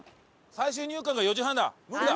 最終入館が４時半だ無理だ！